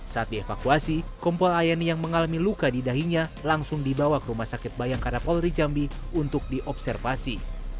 saat dievakuasi kompol ayani yang mengalami luka di dahinya langsung dibawa ke rumah sakit bayangkara polri jambi untuk diobservasi